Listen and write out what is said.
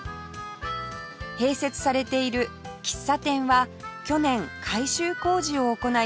併設されている喫茶店は去年改修工事を行い